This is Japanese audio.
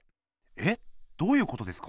え⁉どういうことですか？